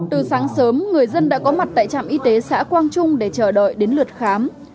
từ sáng sớm người dân đã có mặt tại trạm y tế xã quang trung để chờ đợi đến lượt khám